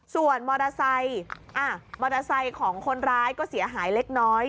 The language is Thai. ส่วนมอเตอร์ไซค์ของคนร้ายก็เสียหายเล็กน้อย